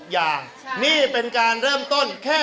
เยียมมากเลยอ่ะ